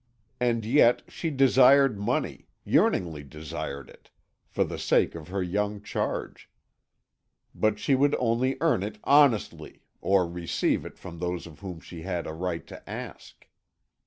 And yet she desired money, yearningly desired it, for the sake of her young charge; but she would only earn it honestly, or receive it from those of whom she had a right to ask.